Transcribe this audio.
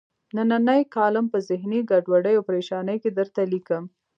نننۍ کالم په ذهني ګډوډۍ او پریشانۍ کې درته لیکم.